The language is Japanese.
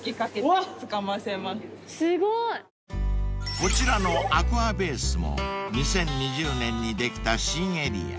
［こちらのアクアベースも２０２０年にできた新エリア］